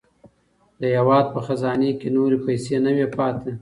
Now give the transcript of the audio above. د هېواد په خزانې کې نورې پیسې نه وې پاتې.